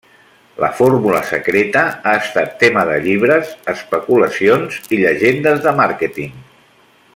La fórmula secreta ha estat tema de llibres, especulacions i llegendes de màrqueting.